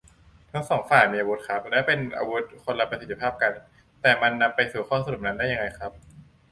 ทั้งสองฝ่ายมีอาวุธครับ และเป็นอาวุธคนละประสิทธิภาพกัน แต่มันนำไปสู่ข้อสรุปนั้นได้ยังไงครับ